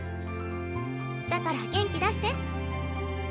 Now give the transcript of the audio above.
だから元気だして。